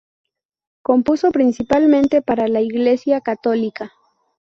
Compuso principalmente para la Iglesia católica.